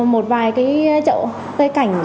một vài trậu cây cảnh